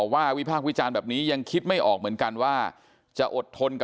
แม่น้องชมพู่แม่น้องชมพู่แม่น้องชมพู่แม่น้องชมพู่